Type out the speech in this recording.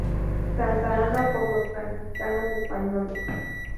Santa Ana por los franciscanos españoles.